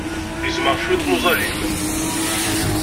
Gezmeɣ cwiṭ n uẓalim.